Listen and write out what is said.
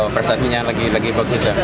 persasinya lagi bagus